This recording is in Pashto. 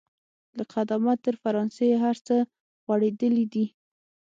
له قدامت تر افسانې هر څه غوړېدلي دي.